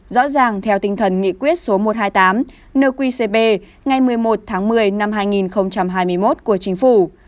rõ ràng theo tinh thần nghị quyết số một trăm hai mươi tám nqcp ngày một mươi một tháng một mươi năm hai nghìn hai mươi một của chính phủ